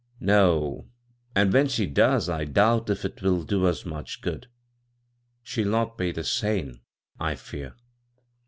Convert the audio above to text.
" No ; and when she does I doubt if it will do us much good — she'll not be sane, I fear."